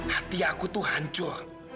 hati aku tuh hancur